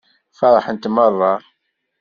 Feṛḥent meṛṛa.